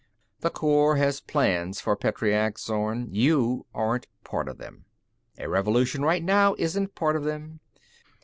"The Corps has plans for Petreac, Zorn. You aren't part of them. A revolution right now isn't part of them.